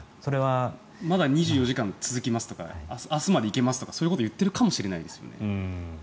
まだ２４時間続きますとか明日まで行けますとか言ってるかもしれないですね。